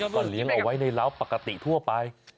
ก็เลี้ยงเอาไว้ในร้าวปกติทั่วไป